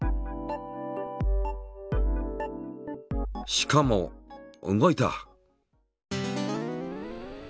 しかも動いた。